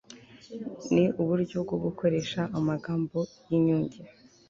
ni uburyo bwo gukoresha amagambo y'inyunge